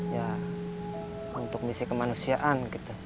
ya untuk misi kemanusiaan